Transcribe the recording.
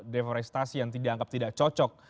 deforestasi yang dianggap tidak cocok